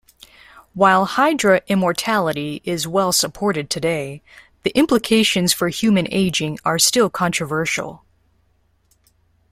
While "Hydra" immortality is well-supported today, the implications for human aging are still controversial.